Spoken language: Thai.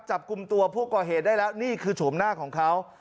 จับกลุ่มตัวผู้ก่อเหตุได้แล้วนี่คือโฉมหน้าของเขา